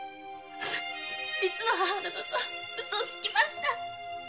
「実の母」と嘘をつきました。